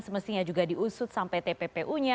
semestinya juga diusut sampai tppu nya